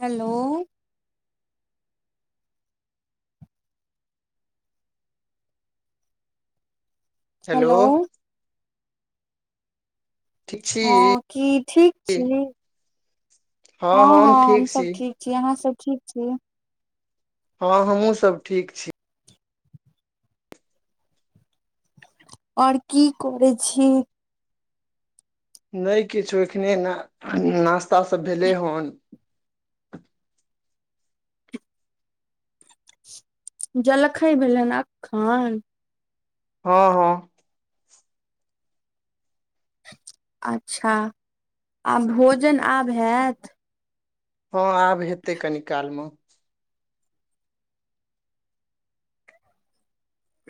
Hello hello ठीक छी हँ कि ठीक छी हँ - हँ हम सब ठीक छी अहाँ सब ठीक छी हँ हमहुँ सब ठीक छी आओर की करै छी नय किछ एखने ना नास्ता सभ भेलै हन जलखै भेलै हन अखन हँ - हँ अच्छऽ आ भोजन आब हैत हँ आब हेतै कनि काल मऽ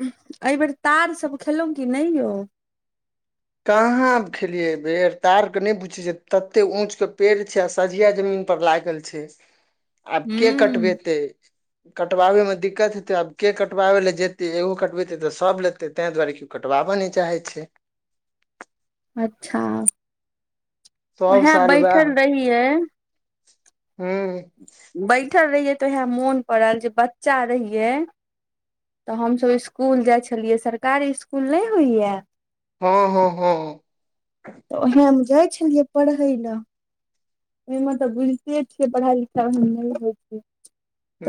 एहि बेेर तार सब खेलौ की नय यौ कहाँ खेलिये एय बेड़ तार कऽ नय पूछै छै तते ऊंच कऽ पेड़ छै आ सझिया जमीन पर लागल छै आब केँ हूं कटबेतै कटवाबै मे दिक्कत हेतै आब केँ कटवाबै लऽ जेतै एगो कटबेतै तऽ सभ लेतै तैय दुआरे कि कटबाबऽ नय चाहै छै अच्छा सब ओहै साल बैठल रहियै हुँ बैठल रहियै तऽ आदे मोन पड़ल जे बच्चा रहियै तऽ हमसभ इस्कूल जाय छलियै सरकारी इस्कूल नय होइ यऽ हँ - हँ हँ तऽ ओहै हम जाइ छलियै परहैय लऽ ओमे तऽ बुझिते छिये पढ़ाई लिखाई ओय मे नइ होइ छै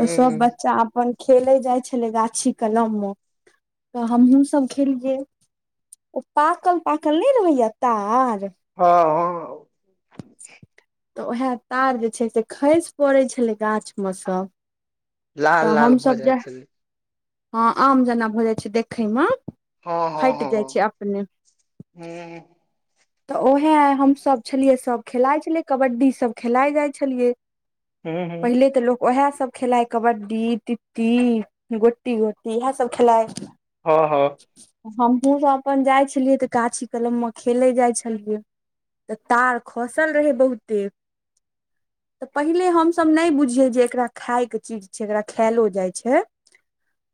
तऽ सब बच्चा अपन खेले जाइ छले गाछी कलम मऽ तऽ हमहुँ सब खेलियै ओ पाकल - पाकल मय रहै यऽ तार हँ हँ तऽ ओहै तार जे छै से खैस पड़ै छलै गाछ मऽ सँ लाल तऽ लाल भऽ हमसभ जाइ जे छलै हँ आम जेना भऽ जाइ छै देखय मऽ फाइट जाइ छै अपने हुँ तऽ ओहै हमसभ छलिये सब खेलाइ छलियै कबड्डी सब खेलाय जाय छलियै हूँ पहिले तऽ लोक ओहै सभ खेलाइ कबड्डी, तिती गोटी - गोटी इहैसभ खेलाइ हँ - हँ हमहुँ सब अपन जाय छलियै तऽ गाछी कलम मऽ खेले जाइ छलियै तऽ तार खसल रहे बहुते [inaudible] तऽ पहिले हमसभ नय बुझियै जे एकरा खाय केँ चीज छै एकरा खायलो जाइ छै।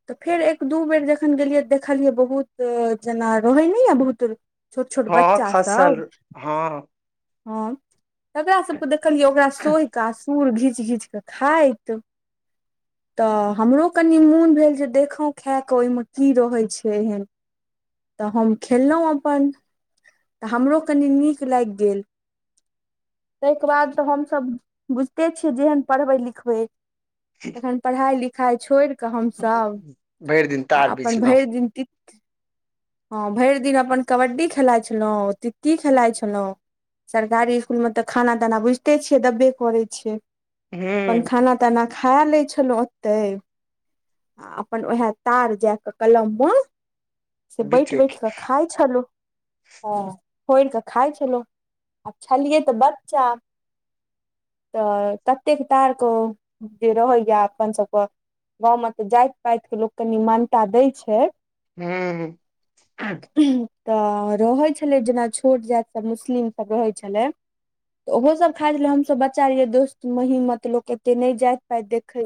तऽ फेर एक दू बेर जखन गेलियै तऽ देखलियै बहुत जेना रहै नय य बहुत छोट - छोट हँ बच्चा खसल सब हँ हँ तऽ ओकरा सभ कऽ देखलियै ओकरा सोहि कऽ आ सुर घीच घीच कऽ खाइत तऽ हमरो कनि मोन भेल जे देखौ खाए कऽ ओहिमे की रहैत छै एहन। तऽ हम खेललहुँ अपन तऽ हमरो कनि नीक लागि गेल। ताहिके बाद तऽ हमस बुझिते छियै जेहन पढ़बै लिखबै। तखन पढ़ाइ लिखाइ छोड़। हमसभ भरि दिन आ तार अपन बिछलहुँ भरि दिन। हँ भरि दिन अपन कबड्डी खेलाइत छलहुँ तिती खेलाइत छलहुँ। सरकारी स्कुलमे तऽ खाना ताना बुझिते छियै देबे करै छैियै अपन हूँ खाना खाना ताना खा लै छलहुँ ओत्ते। आ अपन ओएह तार जााकऽ अपन कलम मे। से बैठ बिछै बैठ की। कऽ खाइ छलहु। हँ फोड़ कऽ खााय छलहु आ छलियै तऽ बच्चा। तऽ ततेक तारके जे रहैया अपन सभके। गाँव में तऽ जाइत पाति के लोक कनि मान्यता दय छै। हू। तऽ रहै छलै जेना छोट जाति सभ मुस्लिमसभ रहैत छलै। तऽ ओहो सब खााय ले हमस बचा रहियै दोस्त महीमत लोक एते नहि जाइत पाइत देखे।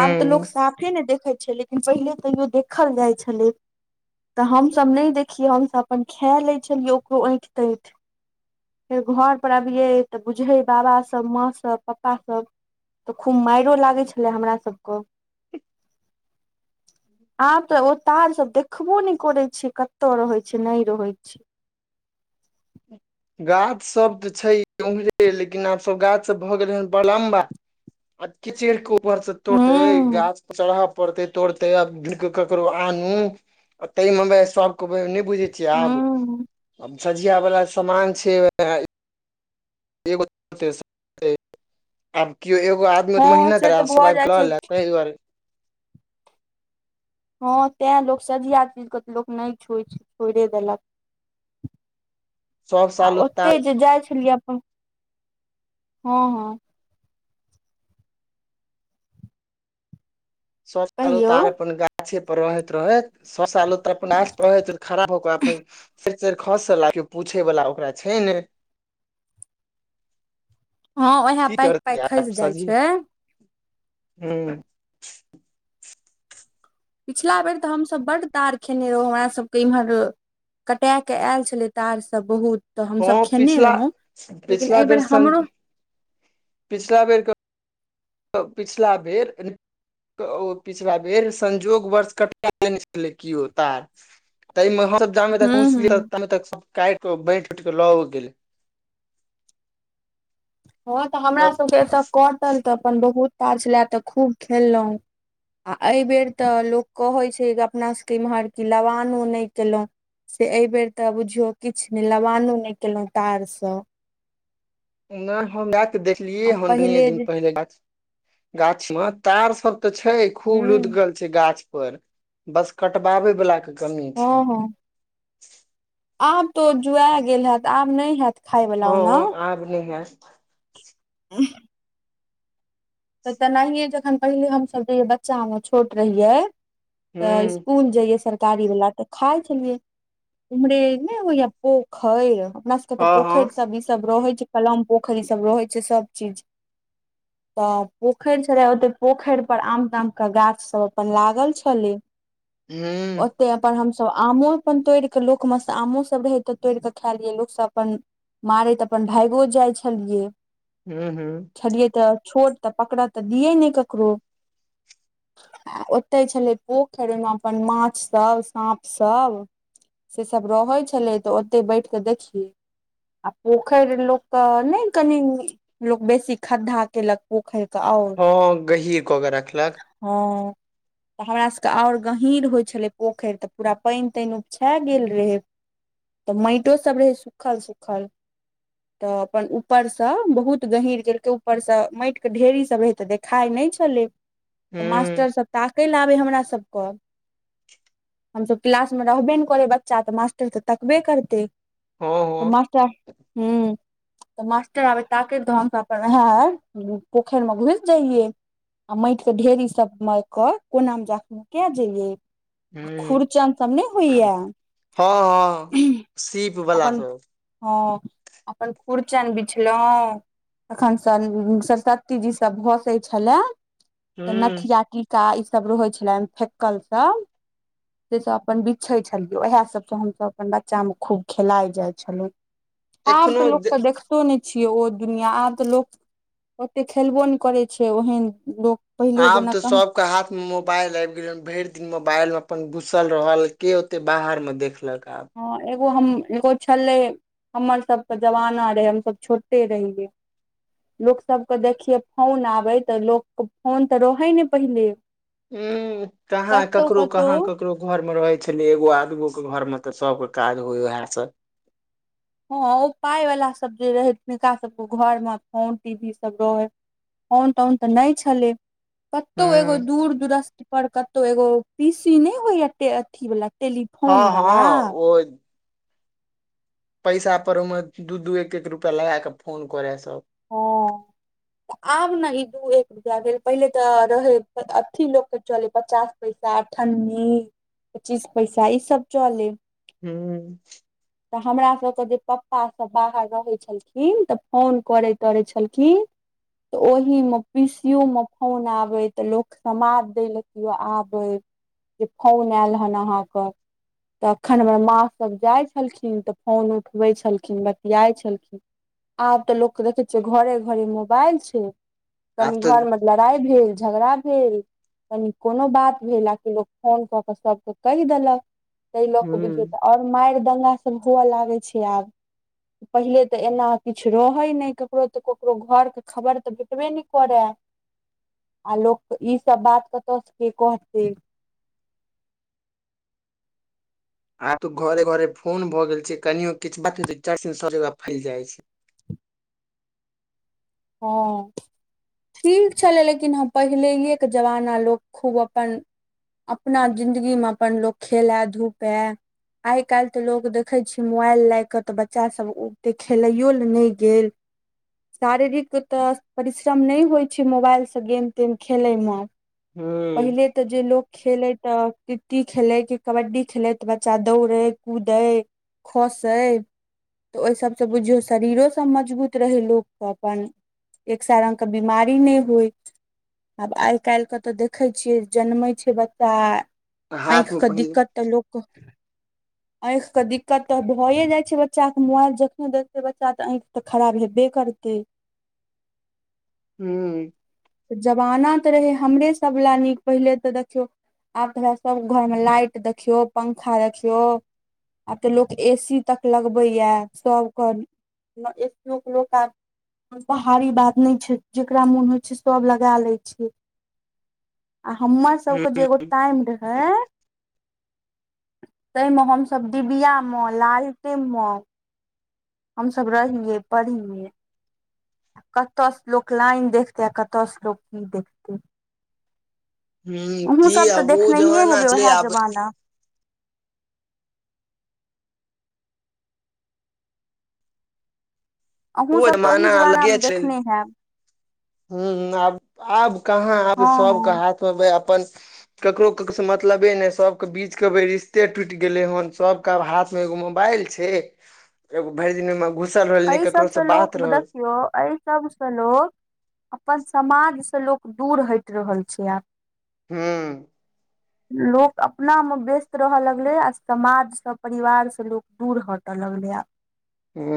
आब तऽ लोक साफे ने देखैत छै लेकिन पहिले तैयो देखल जाइ छलै। तऽ हमसभ नहि देखियै हमसभ अपन खाए लै छलियै ओकरो ऐठि तैठ। फेर घरपर अबियै तऽ बुझै बाबासभ माँसभ पप्पासभ। तऽ खूब मारिो लागै छलै हमरा सभके। [inaudible] आँ तऽ ओ तार सब देख देखखबो नहि करे छीै कतौ रहै छी नहि रहै छै गाछ सब तऽ छै उऊ्हरे लेकिन आब सब गाछ सब भऽ गेलै हेन बड़ लम्बा। अते चेहरके उपार सऽ तोड़ते हूं गाछ। चढ़य पड़तै तोड़तै आब ढूंढ़ कऽ ककरो आनू। ते मऽ बे सब कऽ नहि बुझ। हूं आब सझिया बला सामान छै। [unintelligible] कओ एगो आ आ हँ से मेहनत तऽ रह सभ सब भऽ आब जाइ कऽ छै लले ताहि दुआरे हँ तैँ लोक सझिया चीजके तऽ लोक नहि छो छै छोड़े देलक। सब आ साल ओते उतार जे जाइ छलियै अपन हँ हँ। कहियौ [unintelligible] गाछे पर रहैत रहैत ससालो तऽ अपन आछ पर रहैत खराब हो के अपन। फेर च खसल कियो पूछय वालला ओकरा छै ने। हँ उएह की पाकि करतै पाकि आ खसि जाइ सजिहा छै हू पिछिला बेर तऽ हमसभ बड्ड दार खेने रहौ हमरासभके इम्हर। कटा कऽ आयल छलै तारसभ बहुत तऽ हमसभ हँ खेने पिछला रहौं लेकिन एहिबेर हमरो। पिछिला बेर। पिछिला बेर। ओ पिछला बेर संजोग वर्ष कटबाय देने छलै किओ तार। तमे हम। तामे तक हूं पहुँचलियै हूं तामे तक सब काटिकऽ बाँ उटिक लऽ हो गेलै। हँ तऽ हमरा सभके तब एतय कटल तऽ अपन बहुत ताज लए तऽ खूब खेललहुँ। आ एहि बेेर तऽ लोक कहै छै अपना सभके इम्हर कि लवानो नहि कयलहुँ से एहि बेेर तऽ बुझियौ किछु नहि लबानो नहि केलहुँ तारसँ नहि हम जा कऽ देख लि आ हडनीय पहिले दिन जे पहिले गाछ में तार सब ते छै खूब हूँ लुदगल छै गाछ पर बस कटबाबे बला के कमी हँ छै हँ आब तो जुआ गेल हयत आब नहि हत खााय वला ओना। हँ आब नहि हैत। उँव। तऽ तेनाहिए जखन पहिले हमसभ जेहियै बच्चामे छोट रहियै। हूँ तऽ स्कुल जइये सरकारी वला तऽ। खाय छलिए उमरे ने ओह यऽ पोखेर अपना। कत हँ हँ पोखरि सब ई सब रहै छै कलम पोखरि ई सब रहै छै सब चीज तऽ पोखरि छले ओते पोखरि पर आम ताम के गाछ सब अपन लागल छलै हू ताहि अपन हमसभ आमो अपन तोड़ि कऽ लोकमेसँ आमोसभ रहै तऽ तोड़ि कऽ खा लियै लोकसभ अपन मारै तऽ अपन भागि जाइ छलियै हू हू छलिए तऽ छोट तऽ पकड़ा तऽ दियै नहि ककरो आ ओतहि छलै पोखरि ओहिमे अपन माछसभ साँपसभ से सब रहै छलै तऽ ओते बैठ के देखियै आ पोखरि लोक कऽ नहि कनि लोक बेसी खाद्धा केलक पोखैर कऽ आ हँ गहीर कऽ के रखलक हँ तऽ हमरा सबके आओर गहीँर होइ छलै पोखरि तऽ पूरा पानि तानि उपछा गेल रहै तऽ मटि सब रहै सुखल सुूखल तऽ अपन ऊपर से बहुत गहीर केलक ऊपर से माटि के ढेरी सब रहे ते देख खाइ नहि छलै हूँ ओ हँ मास्टरसभ ताकय लए आबै हमरा सभके हमसभ क्लास मे रहबे नऽ करै बच्चा तऽ मास्टर तऽ तकबे करतै हँ तऽ हूँ मास्टर हूँ [inaudible] तऽ मास्टर आबे ताके लऽ तऽ हमसब अपन हम पोखरि मे घुस जइये आ माटि के ढेरी सब मे के कोना मे जाकऽ नुका जइये खुरचन सब नहि होइय हँ हँ सीप बला अपन सब हँ अपनन खुर्चन बिछलो तखन सऽ सरस्वती जी सब भसै छलय तऽ हूँ नथिया टीका ईसभ रहै छलय फेकलसभ से सब अपन बिछै छलियै उएह सभसँ हमसभ अपन बच्चामे खूब खेलााय जाइ छलहुँ आब तऽ एखनो लोक के जे देख देखतो नहि छियै ओ दुनिया आब तऽ लोक ओते खेलबो नहि करै छै ओहन लोक पहिले आब जेना तऽ सब कहाँ ओका हाथ मे मोबाइल आबि गेल भरि दिन मोबाइल मे अपन घुसल रहल के ओते बाहर मे देखलक आब हँ एगो हम एगो छलै हमर सब कऽ जमाना रहे हमसब छोटे रहियै लोकसभके देखियै फोन आबै तऽ लोक फोन तऽ रहै ने पहिले हू कहाँ कतौ ककरो कतौ कहाँ ककर घर मे रहे छले एगो आदगो के घर मे तऽ सबके काज होए वएह से हँ ओ पाय वला सब जे रहै तिनका सबके घर मे फोन टी वी सब रहै फोन तोउन तऽ नहि छल कतहु एगो हूँ दूर दुरस्त पर कतहु एगो पीसी नहि होइ य अथी वाल टेलीफोन हँ वला। हँ ओ पैसा पर ओहिमे दू दू एक एक रुपया लगा क फोन करैय हा। त आब न इ दु एक रुपैया भेल पहिले त रहैय अथी लोक कऽ चलैय पचास पैसा अठन्नी पच्चीस पैसा इ सब चलैय। हूँ तऽ हमरा सभके जे पप्पासभ बाहर रहैत छलखिन तऽ फोन करैत छलखिन ओहि मे पीसी मे फोन आबे तऽ लोक समाद दय ल के आबे फौन आयल हेन अहाँके त अखन हमर माँ सब जाइत छलखिन तऽ फोन उठबै छलखिन बतियाइ छलखिन। आब तऽ लोकके देखै छियै घरे घरे मोबाइल छै आब कनि तऽ घर मे लड़ाई भेल झगड़ा भेल कनी कोनो बात भेल आ कि लोक फोन कऽ के सबके कैह देलक तैय लऽ कऽ बुझियौ हूं तऽ आओर मार दंगा सब हुअ लागैय छैय आब पहिले ते एना किछु रहैय नै ककरो त ककरो घर के खबर त भेटबे नै करैय। आ लोक इ सब बात कतह से के कहतैय आब त घरे घरे फोन भऽ गेल छैय कनियो किछु बात होय छैय चट सन सब जगह फैल जाय छैय हा ठीक छलैय लेकिन ह पहिलैयके जमाना लोक खुब अपन। अपना जिन्दगीमे अपन लोक खेलाए धुपाए। आइ काल्हि तऽ लोक देखैय छियै मोबाइल लऽ कऽ तऽ बच्चा सब ओतेक खेलैयो लऽ नै गेल। शारिरीक तऽ परिश्रम नै होइ छैय मोबाइल स गेम तेम खेलयमे पहिले। हूं तऽ जे लोक खेलय तऽ कित कित खेलैय कबड्डी खेलैय तऽ बच्चा दौड़ै कूदै खसैय तऽ ओह सबस बुझियौ शरीरो से मजबुत रहैय लोक अपन एक साए रंग के बिमारी नै होइ आब आइ काल्हिके तऽ देखैय छियैय आ जन्मैय छैय बच्चा। हाथ आँख मे क पहिल दिक्कत तऽ लोक के आँख के दिक्कत तऽ भए जाइ छैय बच्चा के मोबाइल जखने देइते बच्चा तऽ आँख तऽ खराब हेबैय करतैय। हूँ जमाना तऽ रहैय हमरे सब ले नीक पहिले तऽ देखियौ आब तऽ सब घरमे लाइट देखियौ पंखा देखियौ आब तऽ लोक ए सी तक लगबैया सबके एसीयो के लोक आब। भारी बात नै छैय जेकरा मोन होइ छैय सब लगा लैय छै हमर हूं सबके जे ओ टाइम रहैय तैयमे हम सब डिबियामे लालटेनमे। हम सब रहिये पढ़िये कतऽ सऽ लोक लाइन देखिते आ कतऽस लोक की देखितैय हूं हमहु की सब त आब ओ देखनेहिये जमाना हेबैय छलै उहे आब जमाना ओ अहूँ सब तऽ ओहि जमाना अलगे मे छै देखने हैब हु आब आब कहा आब हँ सबके हँ हाथमे बय अपन ककरो ककरो सऽ मतलबे नै सबके बीचके भऽ रिश्ते टुटि गेलैय हन सब सब के हाथ मे एगो मोबाइल छैय एगो भरि दिन घुसल रहल नै केकरो तऽ लोक देखियो अइ सबसँ लोक अपन समाज सँ लोक दुर हटि रहल छैय आब हु लोक अपनामे व्यस्त रहय लगले आ समाज सँ परिवार से लोक दुर हटय लगले आब हु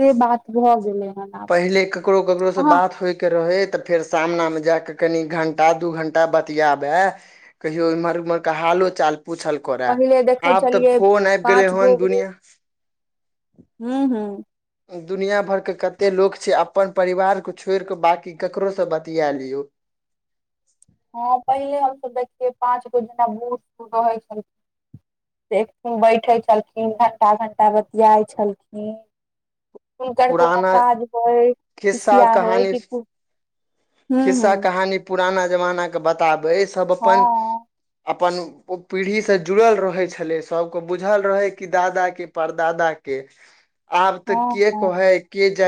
से बात भऽ गेलेय हन आब पहिले ककरो ककरो सँ अहाँ बात होयके रहैय तऽ फेर सामनामे जा कऽ कनि घण्टा दू घण्टा बतिियाबय। कहियो इमहर उम्हर कऽ हालो चाल पूछल करड़ पहिले देखै आब तऽ छलियै फोन आबि गेले पाँच हन दुनििया। हु हु दुनिया भर के कते लोक छैय अपन परिवार के छोड़ि कऽ बाकी ककरो सँ बतिया लियौ हँ पहिले हमस देखियै पाँच गोटा जेना बुढ़ सुढ़ रहैय छलखिन। बैठे छलखिन घं्टा घं्टा बतियाइत छलखिन। हुनकर कोनो पुराना काज होय खिस्सा कसिया होय कहानी कि। हूँ खिस्सा हूँ कहानी पुराना जमानाके बताबै सब अपन हँ अपन। ओ पीढ़ी से जुड़ल रहे छले सबके बुझल रहे कि दादा के परदादा के। आब तऽ हँ के हँ कहै के जा।